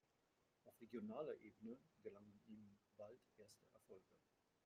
Auf regionaler Ebene gelangen ihm bald erste Erfolge.